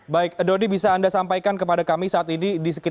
baik dodi bisa anda sampaikan kepada kami saat ini